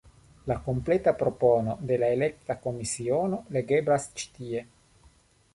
La kompleta propono de la elekta komisiono legeblas ĉi tie.